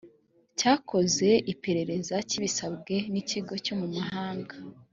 cyakoze iperereza kibisabwe n ikigo cyo mu mahanga